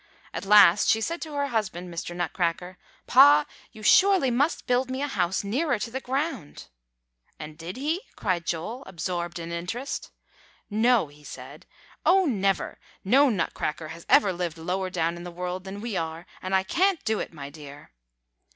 At last she said to her husband, Mr. Nutcracker, 'Pa, you surely must build me a house nearer to the ground.'" "And did he?" cried Joel, absorbed in interest. "No, he said, 'Oh, never! No Nutcracker has ever lived lower down in the world than we are! and I can't do it, my dear!